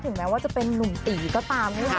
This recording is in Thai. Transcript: ถึงแม้ว่าจะเป็นนุ่มตีก็ตามนี่ค่ะ